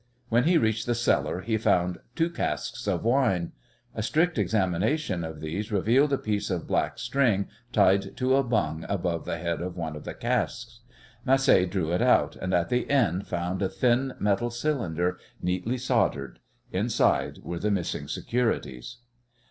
When he reached the cellar he found two casks of wine. A strict examination of these revealed a piece of black string tied to a bung above the head of one of the casks. Macé drew it out, and at the end found a thin metal cylinder, neatly soldered. Inside were the missing securities.